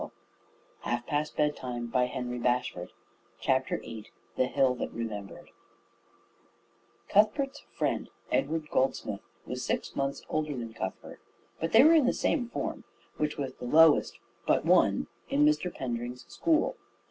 THE HILL THAT REMEMBERED [Illustration: Cæsar's Camp] VIII THE HILL THAT REMEMBERED Cuthbert's friend, Edward Goldsmith, was six months older than Cuthbert, but they were in the same form, which was the lowest but one, in Mr Pendring's school.